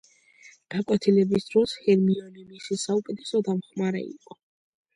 გაკვეთილების დროს ჰერმიონი მისი საუკეთესო დამხმარე იყო.